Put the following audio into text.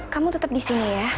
kamu tetap di sini ya